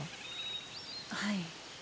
はい。